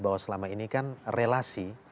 bahwa selama ini kan relasi